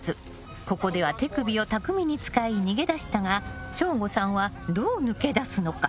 ここでは手首を巧みに使い逃げ出したが省吾さんは、どう抜け出すのか？